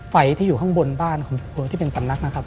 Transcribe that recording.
ไฟที่อยู่ข้างบนบ้านของผู้หัวที่เป็นสำนัก